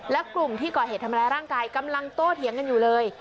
และกลุ่มที่ก่อเหตุทำร้ายร่างกายกำลังโต้เถียงกันอยู่เลย